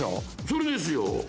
それですよ